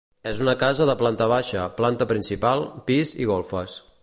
És una casa de planta baixa, planta principal, pis i golfes.